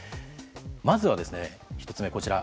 まずは、１つ目、こちら。